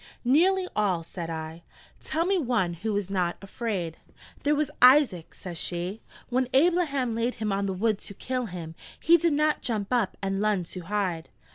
'Nearly all,' said I: 'tell me one who was not afraid ' 'There was Isaac,' says she: 'when Ablaham laid him on the wood to kill him, he did not jump up and lun to hide.'